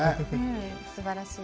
すばらしい。